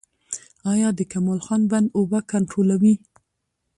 آیا د کمال خان بند اوبه کنټرولوي؟